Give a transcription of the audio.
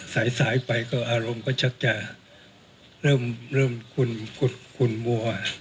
สายสายไปก็อารมณ์ก็ชักจะเริ่มเริ่มคุณคุณคุณมั่ว